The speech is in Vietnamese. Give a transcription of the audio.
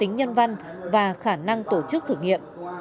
năng tổ chức thử nghiệm